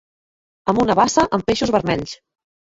Amb una bassa amb peixos vermells